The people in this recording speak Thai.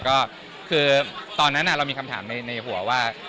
ก็คือตอนนั้นเรามีคำถามในหัวว่า